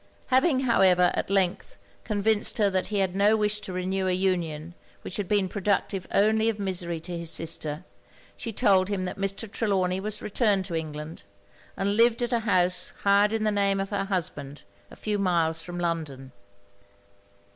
Having however at length convinced her that he had no wish to renew a union which had been productive only of misery to his sister, she told him that Mr. Trelawny was returned to England, and lived at a house hired in the name of her husband, a few miles from London.